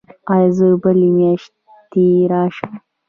ایا زه بلې میاشتې راشم؟